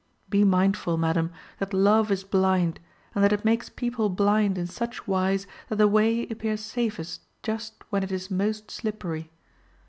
Be mindful, madam, that love is blind, and that it makes people blind in such wise that the way appears safest just when it is most slippery.